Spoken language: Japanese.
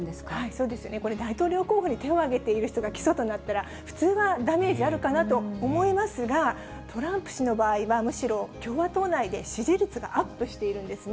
そうですよね、これ、大統領候補に手を挙げている人が起訴となったら、普通はダメージあるかなと思いますが、トランプ氏の場合は、むしろ共和党内で支持率がアップしているんですね。